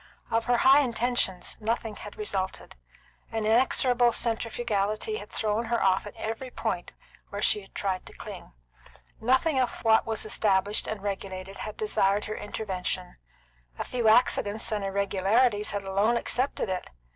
Of her high intentions, nothing had resulted. An inexorable centrifugality had thrown her off at every point where she tried to cling. Nothing of what was established and regulated had desired her intervention; a few accidents and irregularities had alone accepted it.